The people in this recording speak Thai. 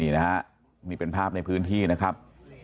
นี่นะฮะนี่เป็นภาพในพื้นที่นะครับ